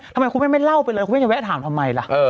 ทำไมคุณแม่ไม่เล่าไปเลยคุณแม่จะแวะถามทำไมล่ะ